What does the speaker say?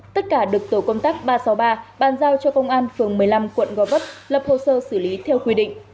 tất cả được tổ công tác ba trăm sáu mươi ba bàn giao cho công an phường một mươi năm quận gò vấp lập hồ sơ xử lý theo quy định